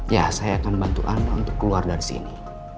ya saya akan bantu anda untuk keluar dari sini